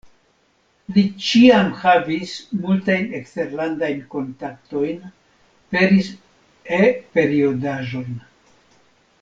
Li ĉiam havis multajn eksterlandajn kontaktojn, peris E-periodaĝojn.